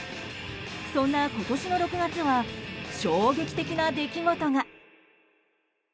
そんな今年の６月は衝撃的な出来事が。